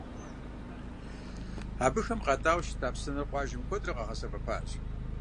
Абыхэм къатӏауэ щыта псынэр къуажэм куэдрэ къагъэсэбэпащ.